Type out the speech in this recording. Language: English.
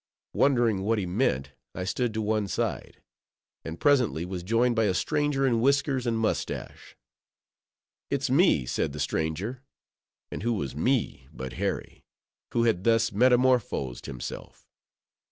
Wondering what he meant, I stood to one side; and presently was joined by a stranger in whiskers and mustache. "It's me" said the stranger; and who was me but Harry, who had thus metamorphosed himself?